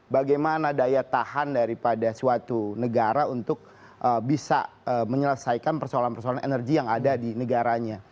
bagaimana daya tahan daripada suatu negara untuk bisa menyelesaikan persoalan persoalan energi yang ada di negaranya